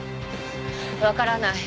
わからない。